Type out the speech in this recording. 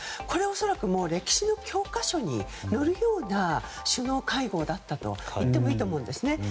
これは恐らく歴史の教科書に載るような首脳会合だったといってもいいと思うんですね。